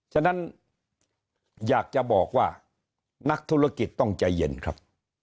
ฉะนั้นอยากจะบอกว่านักธุรกิจต้องใจเย็นครับ